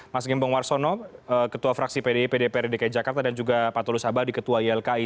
mas gemeng warsono ketua fraksi pde pdpr dki jakarta dan juga pak tulus abadi ketua ilki